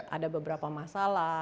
ada beberapa masalah